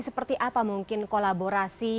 seperti apa mungkin kolaborasi